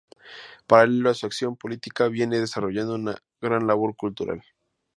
Paralelo a su acción política viene desarrollando una gran labor cultural.